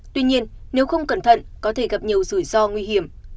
tuy nhiên nếu không cẩn thận có thể gặp nhiều rủi ro nguy hiểm